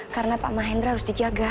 karena pak mahendra harus dijaga